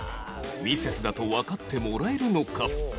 ミセスだとわかってもらえるのか？